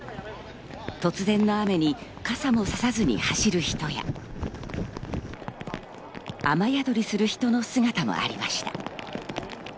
突然の雨に傘もささずに走る人や、雨宿りする人の姿もありました。